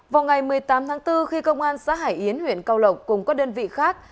vào ngày một mươi tám tháng bốn khi công an xã hải yến huyện cao lộc cùng các đơn vị khác